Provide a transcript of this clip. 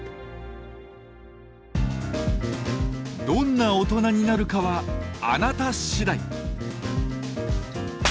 「どんな大人になるかはあなた次第」。